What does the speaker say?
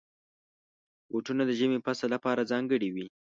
بوټونه د ژمي فصل لپاره ځانګړي وي.